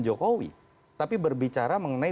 jokowi tapi berbicara mengenai